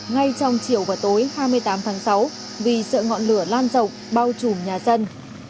ngay trong chiều và tối hai mươi tám tháng sáu vì sợ ngọn lửa lan rộng bao trùm nhà dân